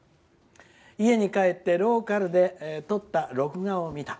家に帰ってローカルで撮った録画を見た。